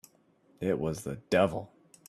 It was the devil!